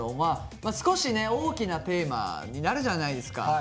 あ少しね大きなテーマになるじゃないですか。